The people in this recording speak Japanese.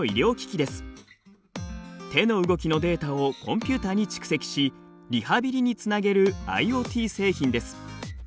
手の動きのデータをコンピューターに蓄積しリハビリにつなげるＩｏＴ製品です。